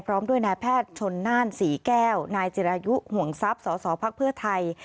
พร้อมด้วยนายแพทย์ชนน่านศรีแก้วนายจิรายุห่วงทรัพย์สสพักเพื่อไทย